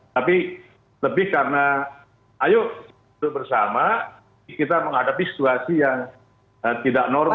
tapi lebih karena ayo bersama kita menghadapi situasi yang tidak normal